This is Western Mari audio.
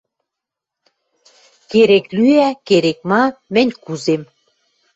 — Керек лӱӓ, керек ма — мӹнь кузем!